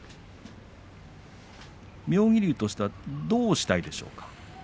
妙義龍としてはどうしたいでしょうか。